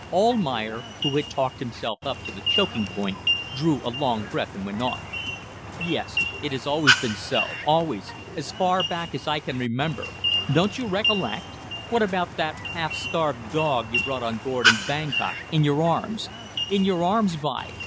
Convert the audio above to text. Almayer, who had talked himself up to the choking point, drew a long breath and went on "Yes! It has been always so. Always. As far back as I can remember. Don't you recollect? What about that half starved dog you brought on board in Bankok in your arms. In your arms by